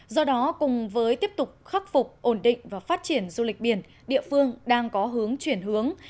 do đó cùng với tiếp tục khắc phục ổn định và phát triển du lịch biển địa phương đang có hướng chuyển hướng